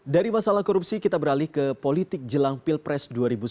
dari masalah korupsi kita beralih ke politik jelang pilpres dua ribu sembilan belas